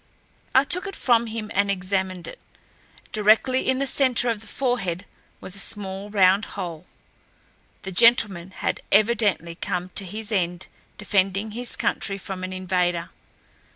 I took it from him and examined it. Directly in the center of the forehead was a small round hole. The gentleman had evidently come to his end defending his country from an invader.